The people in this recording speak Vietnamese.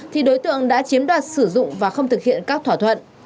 thì đối tượng đã chiếm đoạt sử dụng và không thực hiện các thỏa thuận